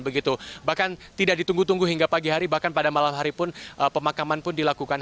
begitu bahkan tidak ditunggu tunggu hingga pagi hari bahkan pada malam hari pun pemakaman pun dilakukan